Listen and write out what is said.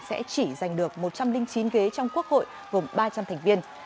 sẽ chỉ giành được một trăm linh chín ghế trong quốc hội gồm ba trăm linh thành viên